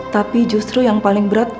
tapi justru yang paling berat